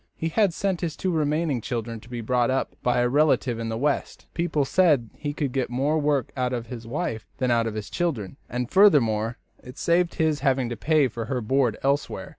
He had sent his two remaining children to be brought up by a relative in the West. People said he could get more work out of his wife than out of the children, and, furthermore, it saved his having to pay for her board elsewhere.